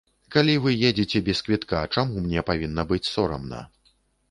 Калі вы едзеце без квітка, чаму мне павінна быць сорамна?